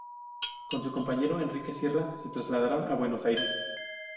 Con su compañero Enrique Sierra se trasladaron a Buenos Aires.